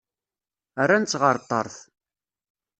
Rran-tt ɣer ṭṭerf.